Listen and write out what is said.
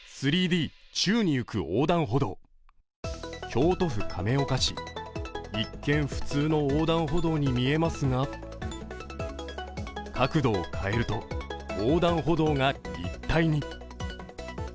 京都府亀岡市、一見、普通の横断歩道に見えますが角度を変えると横断歩道が立体に。